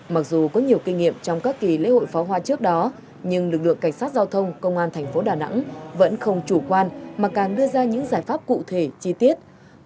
mặc dù có nhiều kinh nghiệm trong các kỳ lễ hội pháo hoa trước đó nhưng lực lượng cảnh sát giao thông công an thành phố đà nẵng vẫn không chủ quan mà càng đưa ra những giải pháp cụ thể chi tiết